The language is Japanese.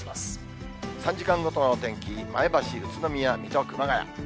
３時間ごとのお天気、前橋、宇都宮、水戸、熊谷。